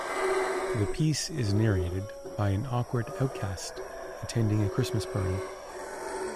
The piece is narrated by an awkward outcast attending a Christmas party.